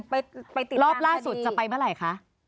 ไปติดรอบล่าสุดจะไปเมื่อไหร่คะ